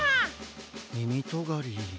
みみとがり。